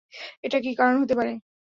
এটা কি কারণ হতে পারে?